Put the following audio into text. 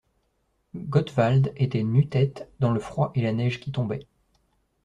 Gottwald était nu-tête dans le froid et la neige qui tombait.